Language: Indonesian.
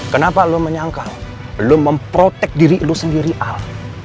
kenapa lu menyangkal lu memprotek diri lu sendiri al